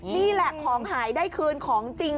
นี่แหละของหายได้คืนของจริง